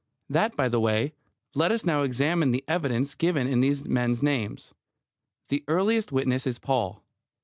That by the way. Let us now examine the evidence given in these men's names. The earliest witness is Paul.